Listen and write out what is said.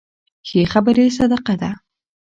ښې خبرې صدقه ده.